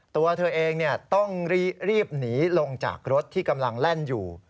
ตัวเธอเองต้องรีบหนีลงจากรถที่กำลังแล่นอยู่